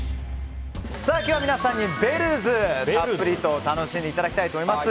今日は皆さんにＢＥＬＬＺ！をたっぷりと楽しんでいただきたいと思います。